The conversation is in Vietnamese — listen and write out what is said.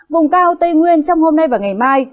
vùng cao tây nguyên trong hôm nay và ngày mai